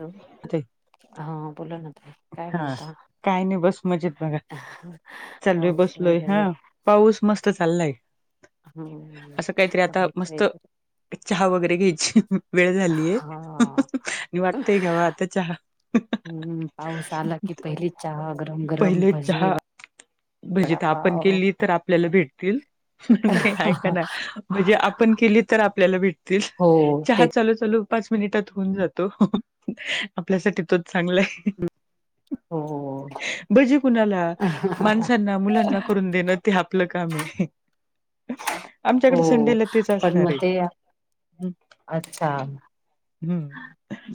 हं [unintelligible] हा, बोला ना. काय हा म्हणता काय नाही बस मजेत बघा, चालूये पाऊस बसलोय हा वगैरे पाऊस मस्त चाललाय. हम्, असं काहीतरी आता तब्येत हाय मस्त बरी? चहा वगैरे घ्यायची वेळ झालीये, हा आणि वाटतयं घ्यावा आता चहा. हम्म, पाऊस आला की पहिली चहा. गरम गरम पहिले भजी चहा, भजीत आपण वडापाव केली तर आपल्याला भेटतील. नाही ऐका ना भजे आपण केली तर आपल्याला भेटतील हो चहा ते चालू, चालू पाच मिनिटात होऊन जातो, आपल्यासाठी तोच चांगलाय. हो, हो, हो भजी कुणाला, माणसांना मुलांना करून देणं ते आपलं काम ये आमच्याकड हो संडेला तेच पण मग असणारे. ते अच्छा. हम्म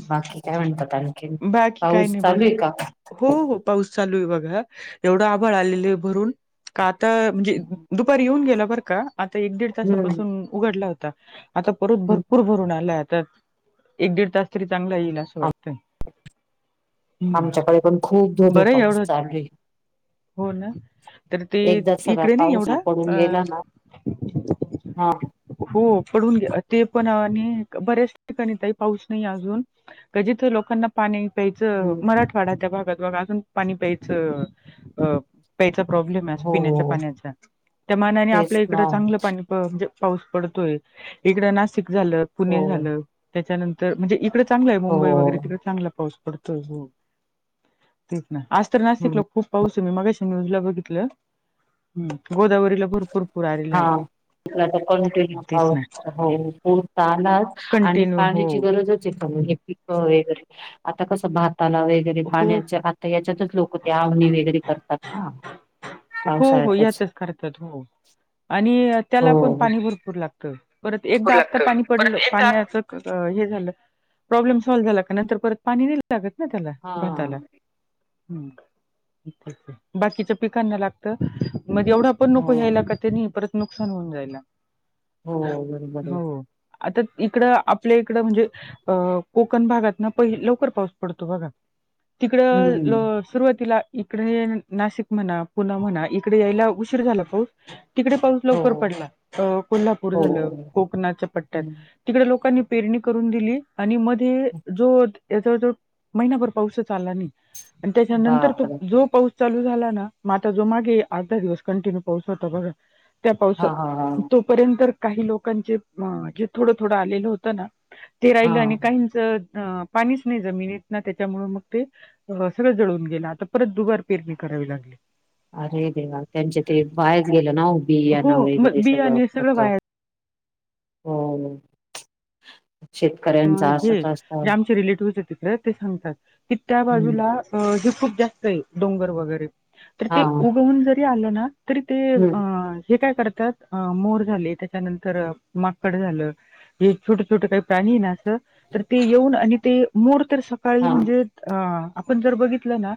बाकी काय म्हणतात आणखीण, बाकी काही पाऊस नाही बस चालूये का? हो, हो पाऊस चालू आहे बघा, एवढं आभाळ आलेलं आहे भरून. का त म्हणजे दुपारी येऊन गेला बरं का, आता एक दीड हम्म तासापासून उघडला होता. आता परत हम्म भरपूर भरून आलाय आता, एक दीड तास तरी चांगला येईल असं आम वाटतय. आमच्याकडे पण खूप धो, धो बरं पाऊस एवढं चालूये. हो ना तर ते सगळा इकडे नाइ ऐ पाऊस ना एवढा पडून गेला अ ना हा. हो पडून गेला, ते पण आणि बऱ्याच ठिकाणी ताई पाऊस नाही अजून. क जिथे लोकांना- पाणी प्यायचं, हम्म मराठवाडा त्या भागात बघा अजून पाणी प्यायचं अ प्यायचा प्रॉब्लेम आहे पिण्याच्या हो पाण्याचा, त्या मानाने तेच आपल्या ना इकडं चांगलं पाणी प म्हणजे अं पाऊस पडतोय, इकडं नाशिक झालं. हो पुणे झालं, त्याच्यानंतर म्हणजे इकडं चांगलं आहे, हो मुंबई वगैरे तिकडे चांगला पाऊस पडतो हो. ठीक ना. आज तर हम्म. नाशिकला खूप पाऊस आहे.. मी मगाशी न्यूजला बघितलं. हम्.. गोदावरीला भरपर पूर आलेला आहे. आता कंटिन्यू तेच ना पाऊस हो पूर तर आलाच, आणि कंटिन्यू हो पाण्याची गरजच आहे वगैरे आता कसं भाताला वगैरे हो पाण्याच्या आ त याच्यातच लोक ते आवनी वगैरे करतात ना. हो हो पावसाळ्यातच यातच करतात.. हो आणि त्याला पण हो पाणी भरपूर लागतं परत एकदा आत्ता पाणी पडलं, पाण्याचं तर हे झालं.. प्रॉब्लेम सॉल्व झाला का नंतर परत पाणी नाय लागत ना त्याला हा भाताला हम. बाकीच्या पिकांना लागतं.. मग एवढा पण नको हो घ्यायला.. का ते नाही परत नुकसान होऊन जाईल ना हो बरोबर आहे हो आता इकडं आपल्या इकडं म्हणजे- अ कोकण भागात ना पहिले लवकर पाऊस पडतो बघा तिकड हम्म सुरुवातीला इकडे नाशिक म्हणा पूणा म्हणा इकडे यायला उशीर झाला पाऊस.. तिकडे पाऊस हो लवकर पडला.. कोल्हापूर हो झालं, कोकणाच्या पट्ट्यात हम् तिकडे लोकांनी पेरणी करून दिली.. आणि मध्ये जो या जवळ जवळ महिनाभर पाऊसच आला नाही.. आणि त्याच्यानंतर तो बापरे जो पाऊस चालू झाला ना मग आता जो मागे आठ दहा दिवस कंटिन्यू पाऊस होता बघा त्या हा पावसात हा हा तो पर्यंत काही लोकांचे जे थोडं थोडं आलेलं होत ना ते राहिलं आणि हा काहीच पाणीच नाही जमिनीत ना त्याच्यामुळ मग ते अ, सगळं जळून गेलं,, आता परत दुवार पेरणी करावी लागली.. अरे देवा! त्यांच्या ते वायाच गेलं ना.. उ हो बियाना वगैरे मग सगळं बियाणे करत वाया हो.. शेतकऱ्यांचा हे असच असता जे आमचे रिलेटिव्ह होतेत तिथ तिकडे ते सांगतात की त्या हम्म बाजूला हे खूप जास्त आहे, डोंगर वगैरे तर हा ते उगवून जरी आलं ना तरी ते हम्म हे काय करतात अ मोर झाले त्याच्यानंतर माकड झालं हे छोटे छोटे काही प्राणी ना ते येऊन आणि ते मोर तर सकाळी हा म्हणजे अ आपण जर बघितलं ना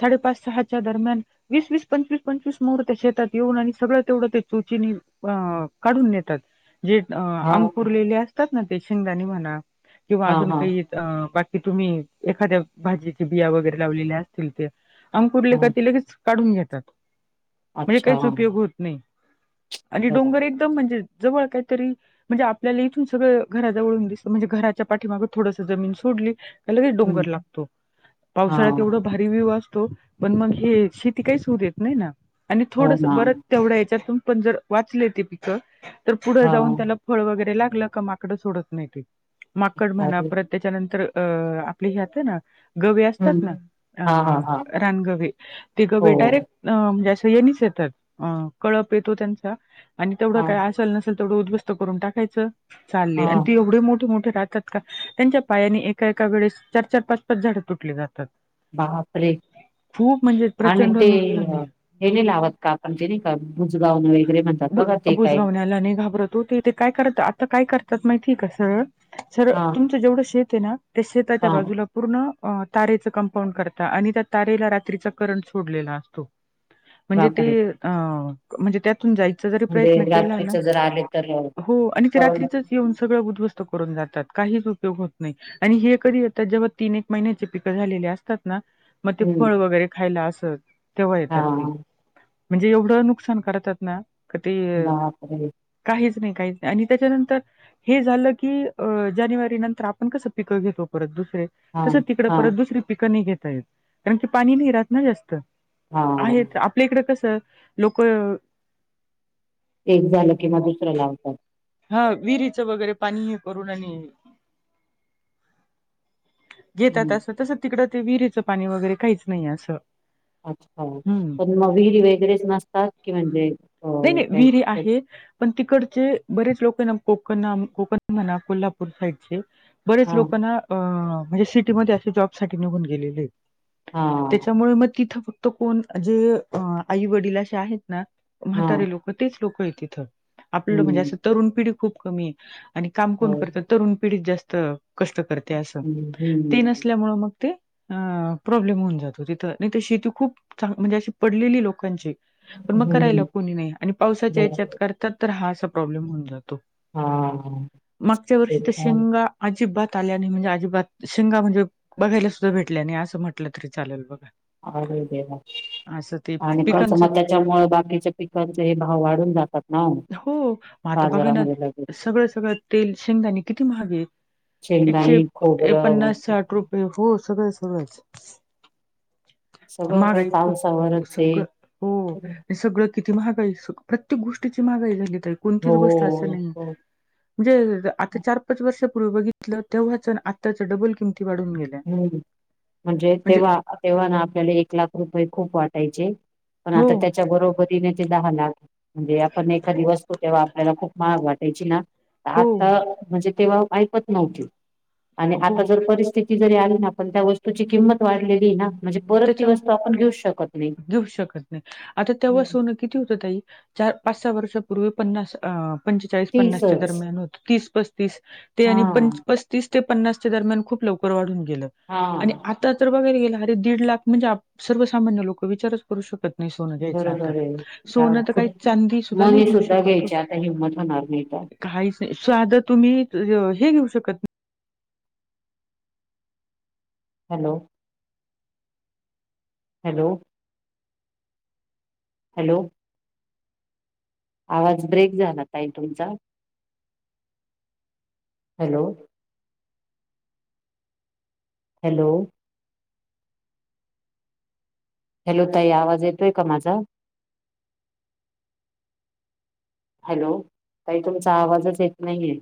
साडेपाच सहाच्या दरम्यान वीस वीस पंचवीस पंचवीस मोर शेतात येऊन आणि सगळं तेवढं ते चोचीनी अ काढून देतात जे हा अंकुरलेले असतात ना ते शेंगदाणी म्हणा किंवा हा अजून हा काही बाकी तुम्ही एखाद्या भाजीची बिया वगैरे लावलेल्या असतील ते अंकुरले हा का ते लगेच काढून घेतात.. म्हणजे अच्छा काहीच उपयोग होत नाही.. आणि बघा डोंगरीत म्हणजे जवळ काहीतरी म्हणजे आपल्याला इथून सगळं घराजवळून दिसत म्हणजे घराच्या पाठीमाग थोडस जमीन सोडली की लगे हम्म डोंगर लागतो.. हा पावसाळ्यात एवढं भारी व्यू असतो.. पण मग हे शेती काहीच होऊ देत नाही ना आणि हो थोडस ना बरं तेवढ्या याच्यातून पण जर वाचले ते पिकं तर पुढं हा जाऊन त्याला फळ वगैरे लागलं का माकडं सोडत नाही ते माकड म्हणा अरे परत त्याच्यानंतर अ आपली हे असते ना.. गवे असतात हम्म ना हा हा हा अ रानगवे ते हो गवे डायरेक्ट अ म्हणजे अस ह्यांनीच येतात कळप येतो त्यांचा आणि तेवढं हा काय असल न तेवढ उद्स्त करून टाकायच.. चाले हा आणि ते एवढे मोठे मोठे काढतात का? त्यांच्या पायानी एका एका वेळेस चार चार पाच पाच झाड तुटले जातात. बापरे हां. म्हणजे आणि प्रचंड ते नुकसान अ, ए. हे नाही लावत का आपण? ते नाही का बुजगावणे. बु बुजगावण्याला नाही घाबरत हो ते. ते काय करता. आता काय करतात माहिती का सं? स हा तुमचं जेवढं शेत आहे ना? त्या शेताच्या हा बाजूला- पूर्ण तारेचं कंपाऊंड करता. आणि त्या तारेला रात्रीचा करंट सोडलेला असतो. म्हणजे ते बापरे अ म्हणजे- जायचं जरी म्हणजे प्रयत्न केला ना? रात्रीच जर आले तर अ, हो. आणि ते परवड रात्रीच येऊन सगळं उधवस्त- करून जातात. काहीच उपयोग होत नाही. आणि हे कधी येतात? जेव्हा तीन एक महिन्याचे पिकं झालेले असतात ना? म ते हम्म फळ वगैरे खायला अस. तेव्हा हा येतात ते. म्हणजे एवढं नुकसान करतात- ना? का ते बापरे काहीच नाही काहीच नाही. आणि त्याच्यानंतर- हे झालं की, अ जानेवारी नंतर आपण कसं पिकं घेतो परत दुसरे. हा तसं तिकडं हा परत दुसरी पिकं नाही घेता येत. कारण की पाणी नाही राहत ना जास्त. आले हा का. आपल्या इकडे कसं? लोक- एक झालं कि म दुसरं लावतात. हां. विहिरीच वगैरे पाणी हे करून आणि- येतात हम्म असं. तसं तिकडे ते विहिरीचं पाणी वगैरे काहीच नाही असं. अच्छा. हम्म. पण मग विहीरी वगैरेंच नसतात की म्हणजे- अ नाही नाही. काही विहिरी आहे. पण तिकडचे बरेच लोक ना? कोकण कोकण म्हणा कोल्हापूर साईडचे- बरेच हा लोक ना? म्हणजे सिटीमध्ये असे जॉब साठी निघून गेलेले आहेत. हा त्याच्यामुळे मग तिथं फक्त कोण? जे आई वडील असे आहेत ना? हा म्हातारे लोक. तेच लोक आहे तिथं. आपलं म्हणजे हम्म असं तरुण पिढी खूप कमी ए. आणि काम कोण हो करतं? तरुण पिढी जास्त कष्ट करते असं. हम्म ते हम्म नसल्यामुंळ मग ते- अं. प्रॉब्लेम होऊन जातो तिथं. नाही तर शेती खूप चांगली म्हणजे अशी पडलेली ए लोकांची. पण मग करायला हम्म कोणी नाही. आणि पावसाच्या बर ह्याच्यात करतात तर हा असा प्रॉब्लेम होऊन जातो. हा मागच्या ते वर्षी तर पण शेंगा- अजिबात आल्या नाही म्हणजे अजिबात. शेंगा म्हणजे- बघायला सुद्धा भेटल्या नाही असं म्हटलं तरी चालेल बघा. आवाज येतोय का? असं ते आणि कसं पिकांचं मग त्याच्यामुळे बाकीच पिक- पिकांचे ही भाव वाढून जातात. ना ओ हो. म आता बघा ना. बाजारामध्ये लगेच सगळं सगळं तेल शेंगदाणे किती महाग‌‌ ए. एकशे शेंगदाणे खोबरं पन्नास साठ रुपये, हो. सगळ सगळचं. सगळं काही महागाई खूप, पावसावरच आहे सगळं हो सगळं. किती महागाई. प्रत्येक गोष्टीची महागाई झाली ताई. हो कोणतीच गोष्ट असं नाही- हो [unintelligible] आता चार पाच वर्षांपूर्वी बघितलं. तेव्हाच अन आत्ताचं डबल किमती वाढून गेल्या. हम्म. म्हणजे तेव्हा तेव्हा ना आपल्याला एक लाख रुपये खूप वाटायचे. पण हो, आता त्याच्या बरोबरीने ते दहा लाख- म्हणजे आपण एखादी वस्तू तेव्हा आपल्याला खूप महाग वाटायची ना? हो, आत्ता - म्हणजे तेव्हा ऐपत नव्हती. आणि आता हो. जर परिस्थिती - -ती जरी आली ना? पण त्या वस्तूची किंमत वाढलेली ए ना? म्हणजे परत ती त्याच्यामुळे वस्तू आपण घेऊच शकत नाही. घेऊ शकत नाही. आता हं. तेव्हा हं. सोनं किती होत ताई. चार पाच सहा वर्षापूर्वी पन्नास अ- पंचेचाळीस ती पन्नास च्या सहज दरम्यान होत. तीस पस्तीस ते हा आणि पंच पस्ती - तीस ते पन्नास च्या दरम्यान खूप लवकर वाढून गेल, हा आणि आता तर बघायला गेल दीड लाख म्हणजे आप सर्वसामान्य लोक विचारच करू शकत नाही सोनं घ्यायच आता, बरोबर आहे. अ, सोनं तर काय चांदी सुद्धा नाही घेऊ शकतो नाही, हिंमत होणार नाही आता. काहीच नाही! साधं तुम्ही य हे घेऊ शकत नाही. Hello- hello. हॅलो. आवाज ब्रेक झाला ताई तुमचा. हॅलो. हॅलो. हॅलो ताई आवाज येतोय का माझा? हॅलो, ताई तुमचा आवाजच येत नाहीेये.